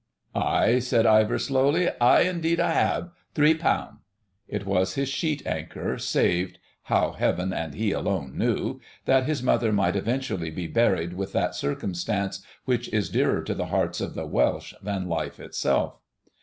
"Aye," said Ivor slowly; "aye, indeed I have. Three poun'." It was his sheet anchor, saved (how Heaven and he alone knew) that his mother might eventually be buried with that circumstance which is dearer to the hearts of the Welsh than life itself.